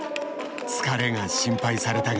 疲れが心配されたが。